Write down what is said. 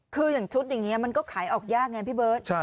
คืออย่างชุดอย่างนี้มันก็ขายออกยากไงพี่เบิร์ต